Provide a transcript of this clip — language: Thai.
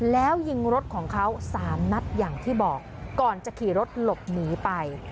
แล้วยิงรถของเขา๓นัดอย่างที่บอกก่อนจะขี่รถหลบหนีไป